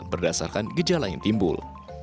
berdasarkan gejala yang timbul